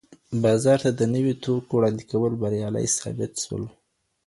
بازار ته د نویو توکو وړاندې کول بریالي ثابت سول.